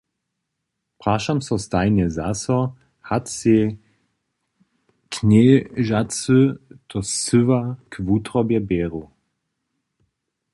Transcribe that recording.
Prašam so stajnje zaso, hač sej knježacy to scyła k wutrobje bjeru.